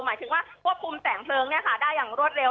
หมายถึงว่าควบคุมแสงเพลิงได้อย่างรวดเร็